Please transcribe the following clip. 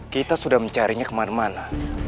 kita sudah mencarinya kemana mana